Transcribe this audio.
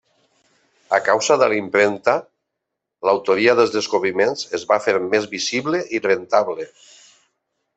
A causa de la impremta, l'autoria dels descobriments es va fer més visible i rentable.